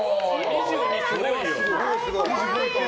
２２、これはすごい。